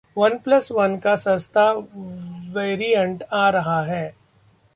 'one plus one' का सस्ता variant आ रहा है